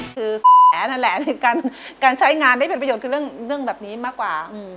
คือแผลนั่นแหละคือการใช้งานได้เป็นประโยชน์คือเรื่องแบบนี้มากกว่า